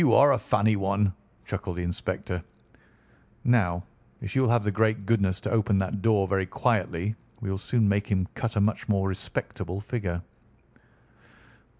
You are a funny one," chuckled the inspector. "Now, if you will have the great goodness to open that door very quietly, we will soon make him cut a much more respectable figure."